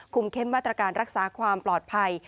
เข้มมาตรการรักษาความปลอดภัย